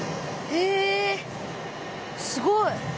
へえすごい。